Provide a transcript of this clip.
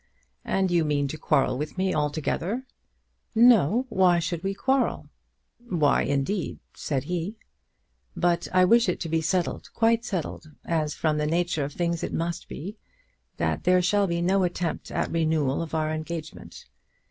"And you mean to quarrel with me altogether?" "No; why should we quarrel?" "Why, indeed?" said he. "But I wish it to be settled, quite settled, as from the nature of things it must be, that there shall be no attempt at renewal of our engagement.